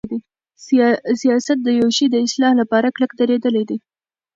سیاست د یوشی د اصلاح لپاره کلک دریدل دی.